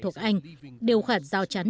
thuộc anh điều khoản giao chắn